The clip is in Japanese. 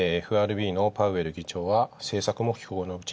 ＦＲＢのパウエル議長は政策も。